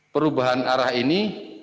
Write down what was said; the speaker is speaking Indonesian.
perubahan arah ini